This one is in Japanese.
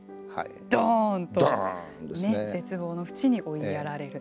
ドーンと絶望に縁に追いやられる。